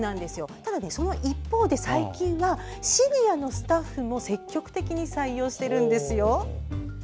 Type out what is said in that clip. ただ一方で最近はシニアのスタッフも積極的に採用しているんですよ。